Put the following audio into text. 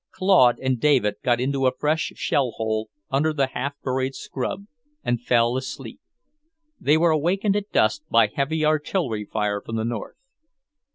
Claude and David got into a fresh shell hole, under the half burned scrub, and fell asleep. They were awakened at dusk by heavy artillery fire from the north.